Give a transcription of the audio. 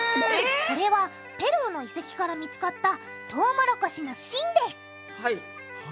これはペルーの遺跡から見つかったトウモロコシの芯ですはい。